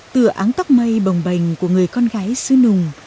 tựa áng tóc mây bồng bềnh của người con gái sứ nùng